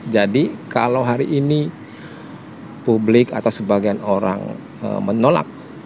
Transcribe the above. jadi kalau hari ini publik atau sebagian orang menolak